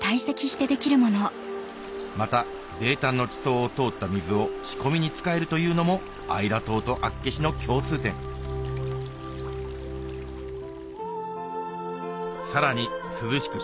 また泥炭の地層を通った水を仕込みに使えるというのもアイラ島と厚岸の共通点さらに涼しく